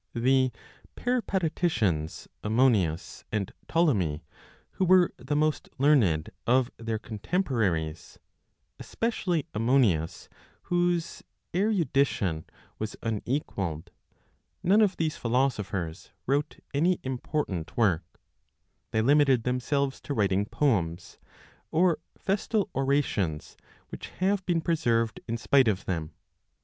The Peripateticians Ammonius and Ptolemy, who were the most learned of their contemporaries, especially Ammonius, whose erudition was unequalled, none of these philosophers wrote any important work; they limited themselves to writing poems, or festal orations, which have been preserved in spite of them.